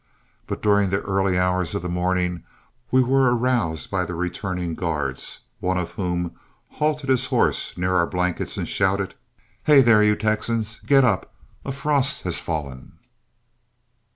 But during the early hours of morning we were aroused by the returning guards, one of whom halted his horse near our blankets and shouted, "Hey, there, you Texans; get up a frost has fallen!"